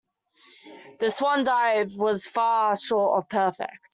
The swan dive was far short of perfect.